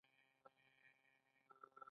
دوی له پولیسو او نظامي ځواکونو ګټه اخلي